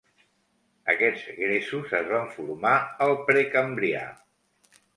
Aquests gresos es van formar al Precambrià.